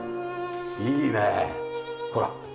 いいねほら。